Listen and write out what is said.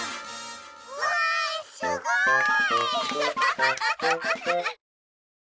うわすごい！